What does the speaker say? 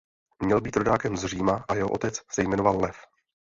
Měl být rodákem z Říma a jeho otec se jmenoval Lev.